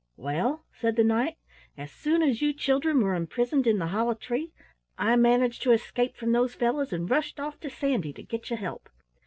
"Well," said the Knight, "as soon as you children were imprisoned in the hollow tree I managed to escape from those fellows and rushed off to Sandy to get you help.